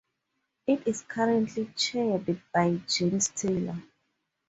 It is currently chaired by Jane Taylor.